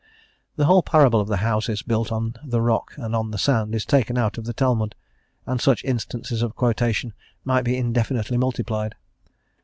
The whole parable of the houses built on the rock and on the sand is taken out of the Talmud, and such instances of quotation might be indefinitely multiplied.